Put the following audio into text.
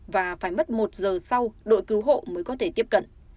và phải mất một giờ sau đội cứu hộ mới có thể tiếp cận